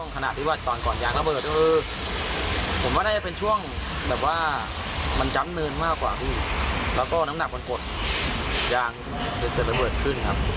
ขณะที่ว่าตอนก่อนยางระเบิดก็คือผมว่าน่าจะเป็นช่วงแบบว่ามันจำเนินมากกว่าพี่แล้วก็น้ำหนักมันกดยางจะเกิดระเบิดขึ้นครับ